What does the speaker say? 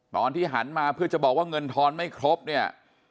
ตอนที่หันมาเพื่อจะบอกว่าเงินทอนไม่ครบเนี่ย